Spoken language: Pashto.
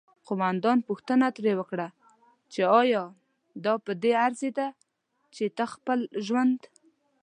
قوماندان پوښتنه ترې وکړه چې آیا دا پدې ارزیده چې ته خپل ژوند